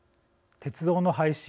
鉄道の廃止